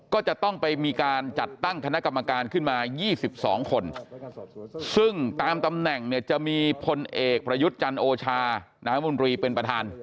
ก็จะต้องไปมีการจัดตั้งคณะกรรมการขึ้นมา๒๒คนซึ่งตามตำแหน่งเนี่ยจะมีพลเอกประยุทธ์จันทร์โอชาน้ำมนตรีเป็นประธาน